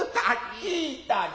聞いたり。